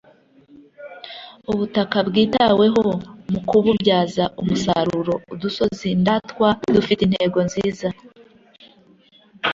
ubutaka bwitaweho mu kububyaza umusaruro ; udusozi ndatwa dufite intego nziza